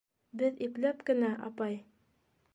- Беҙ ипләп кенә, апай...